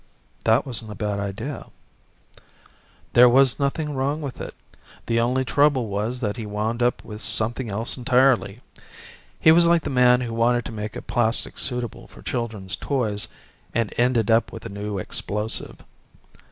"That wasn't a bad idea." "There was nothing wrong with it. The only trouble was that he wound up with something else entirely. He was like the man who wanted to make a plastic suitable for children's toys and ended up with a new explosive.